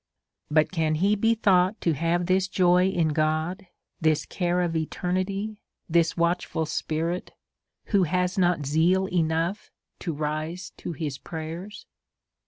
But can he be thought to have this joy in God, this care of eternity, this watchful spirit, who has not zeal enough to rise to his prayers?